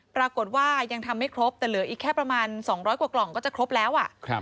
ปรากฏว่ายังทำไม่ครบแต่เหลืออีกแค่ประมาณ๒๐๐กว่ากล่องก็จะครบแล้ว